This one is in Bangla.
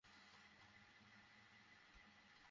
পরে গতকাল শনিবার তাঁকে থানায় সোপর্দ করার জন্য নিয়ে আসা হয়।